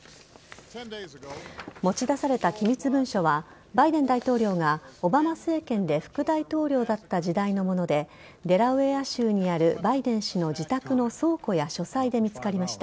持ち出された機密文書はバイデン大統領がオバマ政権で副大統領だった時代のものでデラウェア州にあるバイデン氏の自宅の倉庫や書斎で見つかりました。